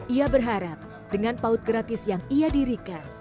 ia berharap dengan paut gratis yang ia dirikan